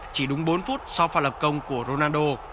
chỉ đúng bốn phút sau phản lập công của ronaldo